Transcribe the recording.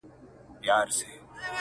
تا څه کوئ اختر د بې اخترو په وطن کي؛